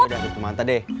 udah tutup mata deh